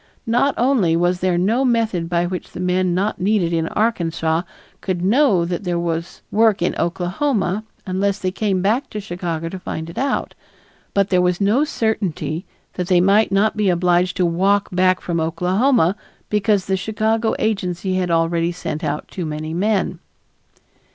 Not only was there no method by which the men not needed in Arkansas could know that there was work in Oklahoma unless they came back to Chicago to find it out, but there was no certainty that they might not be obliged to walk back from Oklahoma because the Chicago agency had already sent out too many men.